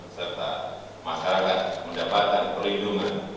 serta masyarakat mendapatkan perlindungan